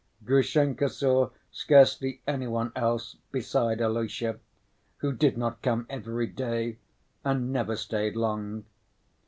Grushenka saw scarcely any one else beside Alyosha, who did not come every day and never stayed long.